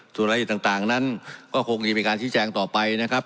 ส่วนรายละเอียดต่างนั้นก็คงจะมีการชี้แจงต่อไปนะครับ